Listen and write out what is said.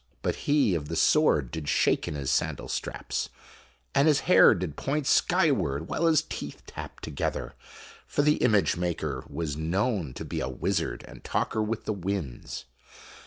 But he of the sword did shake in his sandal straps, and his hair did point skyward, while his teeth tapped together ; for the image maker was known to be a wizard and talker with the winds.